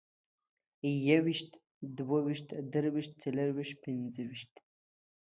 يوويشت، دوه ويشت، درویشت، څلرويشت، پنځه ويشت